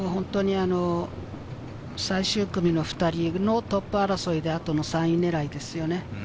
最終組の２人のトップ争いで、あとはもう３位争いですよね。